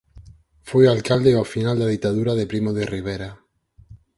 Foi alcalde ao final da ditadura de Primo de Rivera.